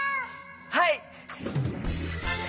はい。